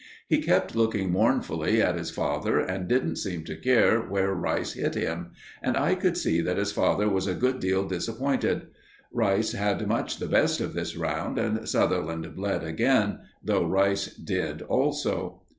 He kept looking mournfully at his father and didn't seem to care where Rice hit him, and I could see that his father was a good deal disappointed. Rice had much the best of this round, and Sutherland bled again, though Rice did also.